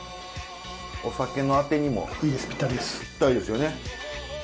お酒のアテにもぴったりですよね。